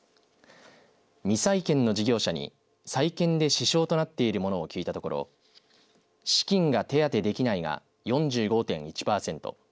未再建の事業者に再建で支障となっているものを聞いたところ資金が手当てできないが４５．１パーセント